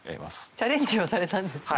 チャレンジはされたんですね。